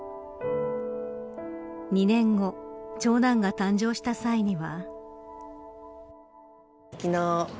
２年後、長男が誕生した際には。